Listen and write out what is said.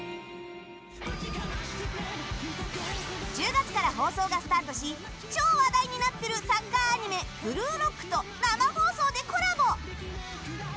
１０月から放送がスタートし超話題になっているサッカーアニメ「ブルーロック」と生放送でコラボ！